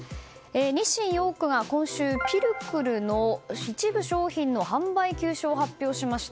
日清ヨークが今週ピルクルの一部商品の販売休止を発表しました。